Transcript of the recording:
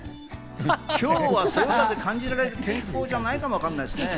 今日はそよ風を感じられる天候じゃないかもわかんないですね。